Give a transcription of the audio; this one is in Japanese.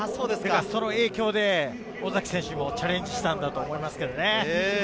その影響で尾崎選手もチャレンジしたんだと思います。